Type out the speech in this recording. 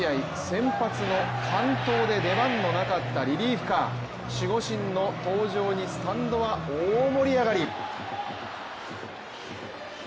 先発の完投で出番のなかったリリーフカー、守護神の登場にスタンドは大盛り上がり！